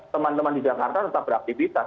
teman teman di jakarta tetap beraktivitas